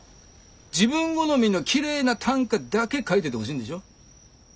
自分好みのきれいな短歌だけ書いててほしいんでしょ。